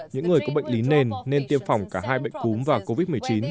những người có bệnh lý nền nên tiêm phòng cả hai bệnh cúm và covid một mươi chín